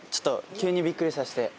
急にびっくりさせて。